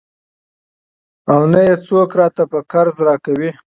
او نه يې څوک راته په قرض راکوي.